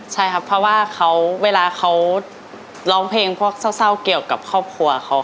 ใช่ครับเพราะว่าเวลาเขาร้องเพลงพวกเศร้าเกี่ยวกับครอบครัวเขา